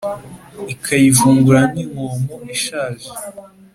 ikayivungura nk’inkomo ishaje